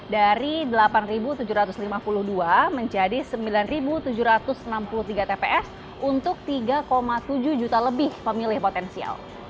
dari delapan tujuh ratus lima puluh dua menjadi sembilan tujuh ratus enam puluh tiga tps untuk tiga tujuh juta lebih pemilih potensial